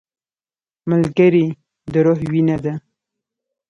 ملګری د روح وینه ده